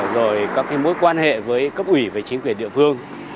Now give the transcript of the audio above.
rồi các mối quan hệ với cấp ủy về chính quyền địa phương